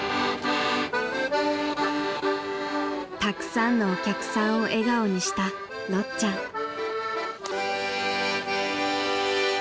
［たくさんのお客さんを笑顔にしたろっちゃん］